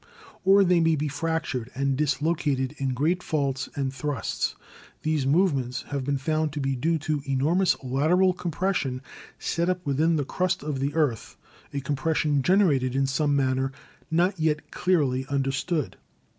Or they may be fractured and dislocated in great faults and thrusts. These movements have been found to be due to enormous lateral compression set up within the crust of the earth, a com pression generated in some manner not yet clearly under stood.